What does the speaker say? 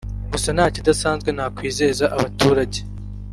gusa nta kidasanzwe nakwizeza abaturage